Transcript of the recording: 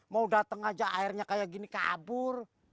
mau datang aja airnya kayak gini kabur